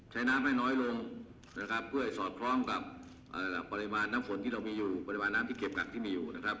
ใช้น้ำให้น้อยลงเปื่อยสอดคลองกับปริมาณน้ำที่เก็บกักที่มีอยู่